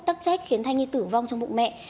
tắc trách khiến thanh nghi tử vong trong bụng mẹ